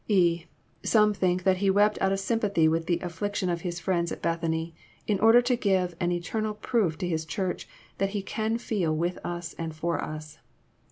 («) Some think that He wept out of sympathy with the affliction of His friends at Bethany, in order to give an eternal proof to His Church that He can feel with us and for us.